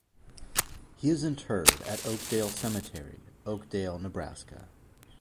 He is interred at Oakdale Cemetery, Oakdale, Nebraska.